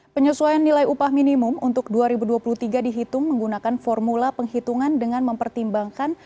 penyesuaian nilai upah minimum untuk dua ribu dua puluh tiga dihitung menggunakan formula penghitungan dengan mempertimbangkan